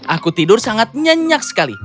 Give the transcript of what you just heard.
aku tidur sangat nyenyak sekali